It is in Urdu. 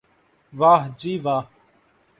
واہ جی واہ